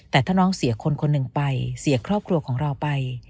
แต่ถ้าน้องเสียคนคนหนึ่งไปเสียครอบครัวของเราไป